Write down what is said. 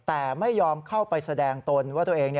แต่ไม่ยอมเข้าไปแสดงตนว่าตัวเอง